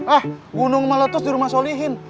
ah gunung meletus di rumah solihin